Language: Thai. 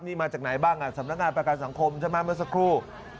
นี่มาจากไหนบ้างสำนักงานประกันสังคมใช่ไหมเมื่อสักครู่